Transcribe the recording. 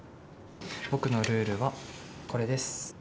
僕のルールはこれです。